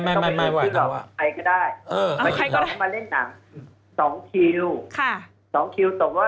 ไม่ใช่ก็ได้มาเล่นหนัง๒คิว